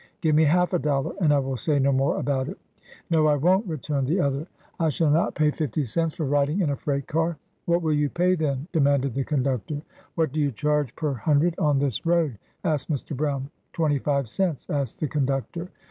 " Give me half a dollar, and I will say no more about it" " No, I won %" returned the other; "I shall not pay fifty cents for riding in a freight car." " What will you pay, then 1 " demanded the conductor. :• What do you charge per hundred on this road?" asked Mr. Brown. "Twenty five cents," answered the conductor.